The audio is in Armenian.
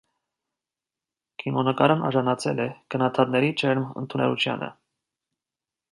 Կինոնկարն արժանացել է քննադատների ջերմ ընդունելությանը։